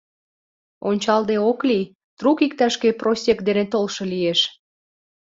Ончалде ок лий: трук иктаж-кӧ просек дене толшо лиеш.